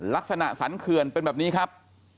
ลักษณะสันเขื่อนเป็นแบบนี้ครับ